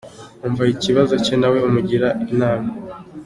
Umva ikibazo cye nawe umugire inama.